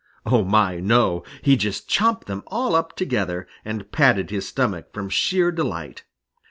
Oh, my, no! He just chomped them all up together and patted his stomach from sheer delight.